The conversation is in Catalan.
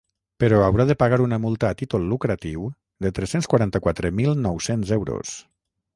Però haurà de pagar una multa a títol lucratiu de tres-cents quaranta-quatre mil nou-cents euros.